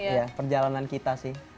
iya perjalanan kita sih